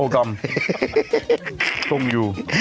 ฮัย